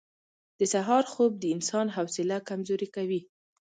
• د سهار خوب د انسان حوصله کمزورې کوي.